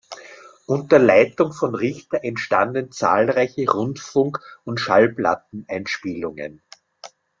Unter Leitung von Richter entstanden zahlreiche Rundfunk- und Schallplatteneinspielungen.